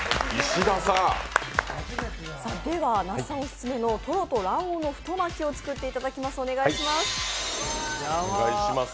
では、那須さんオススメのトロと卵黄の太巻きを作っていただきます。